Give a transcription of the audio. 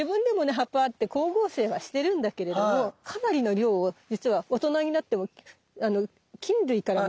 葉っぱあって光合成はしてるんだけれどもかなりの量をじつは大人になっても菌類からもらってるわけよ。